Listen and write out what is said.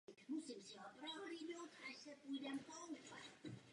Vítězové skupin sehráli finále na jedno utkání.